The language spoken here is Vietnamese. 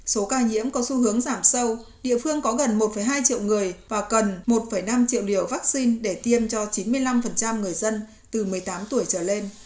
số ca nhiễm có xu hướng giảm sâu địa phương có gần một hai triệu người và cần một năm triệu liều vaccine để tiêm cho chín mươi năm người dân từ một mươi tám tuổi trở lên